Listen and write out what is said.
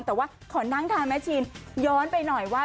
แต่ว่าขอนั่งทานแม่ชีนย้อนไปหน่อยว่า